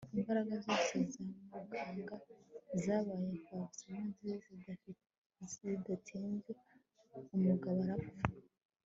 imbaraga zose za muganga zabaye impfabusa maze bidatinze umugabo arapfa